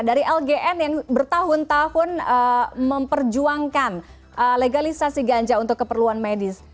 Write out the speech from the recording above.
dari lgn yang bertahun tahun memperjuangkan legalisasi ganja untuk keperluan medis